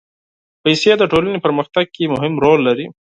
پېسې د ټولنې په پرمختګ کې مهم رول لري.